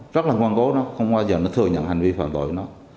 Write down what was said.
rất là ngoan bố nó không bao giờ nó thừa nhận hành vi phạm tội